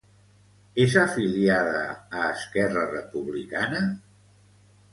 És afiliada a Esquerra Republicana?